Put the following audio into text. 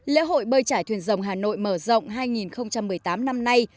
lễ hội bơi trải thuyền rồng hà nội mở rộng hai nghìn một mươi tám năm nay